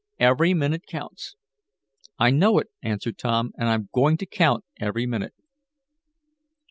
Every minute counts." "I know it," answered Tom, "and I'm going to count every minute."